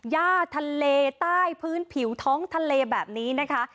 ย่าทะเลใต้พื้นผิวท้องทะเลแบบนี้นะคะ